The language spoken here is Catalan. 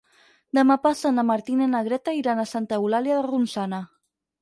Demà passat na Martina i na Greta iran a Santa Eulàlia de Ronçana.